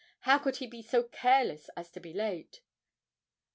How could he be so careless as to be late?